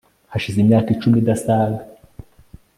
Hashize imyaka icumi idasaga